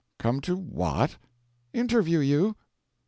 "Come to what?" "Interview you."